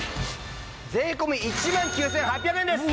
税込１万９８００円です！